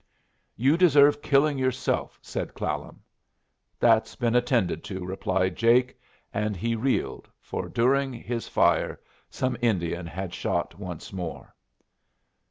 "You deserve killing yourself," said Clallam. "That's been attended to," replied Jake, and he reeled, for during his fire some Indian had shot once more.